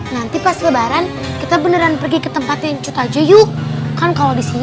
nanti pas lebaran kita beneran pergi ke tempat yang cita jayu kan kalau disini